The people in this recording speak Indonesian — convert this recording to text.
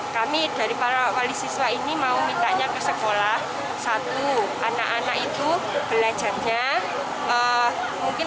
kami dari para wali siswa ini mau mintanya ke sekolah satu anak anak itu belajarnya mungkin